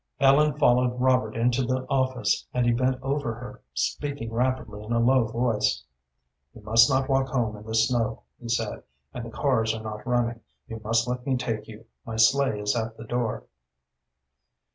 Ellen followed Robert into the office, and he bent over her, speaking rapidly, in a low voice. "You must not walk home in this snow," he said, "and the cars are not running. You must let me take you. My sleigh is at the door."